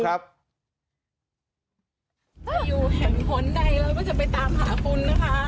ข้าวบ้าน